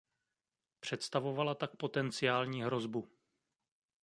Představovala tak potenciální hrozbu.